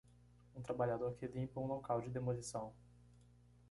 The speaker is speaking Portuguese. Um trabalhador que limpa um local de demolição.